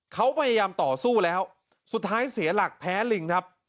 เขาพยายามต่อสู้แล้วสุดท้ายเสียหลักแพ้ลิงครับ